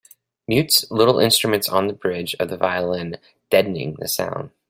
Mutes little instruments on the bridge of the violin, deadening the sound.